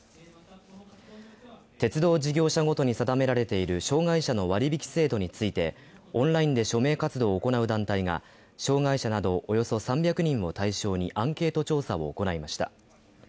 鉄道事業者ごとに定められている障害者の割引制度についてオンラインで署名活動を行う団体が障害者などおよそ３００人を対象にアンケート調査を行いました。